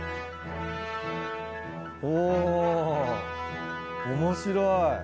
おぉ面白い。